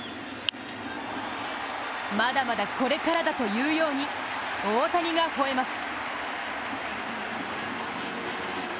まだまだこれからだというように大谷がほえます。